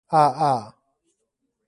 啊啊